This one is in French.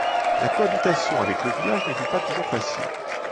La cohabitation avec le village ne fut pas toujours facile.